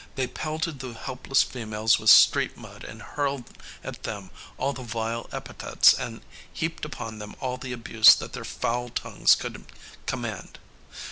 They pelted the helpless females with street mud and hurled at them all the vile epithets and heaped upon them all the abuse that their foul tongues could command.